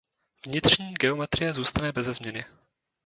Vnitřní geometrie zůstane beze změny.